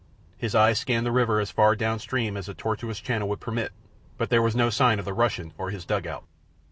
His eyes scanned the river as far down stream as the tortuous channel would permit, but there was no sign of the Russian or his dugout.